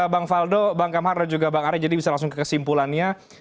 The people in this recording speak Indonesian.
bang faldo bang kamar dan juga bang arya jadi bisa langsung ke kesimpulannya